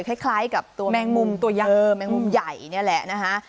คล้ายกับตัวแมงมุมตัวใหญ่แมงมุมใหญ่นี่แหละนะคะ